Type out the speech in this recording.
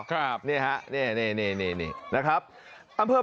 ครับนี่ครับนี่นะครับ